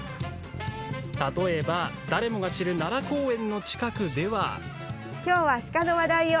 例えば、誰もが知る奈良公園の近くでは。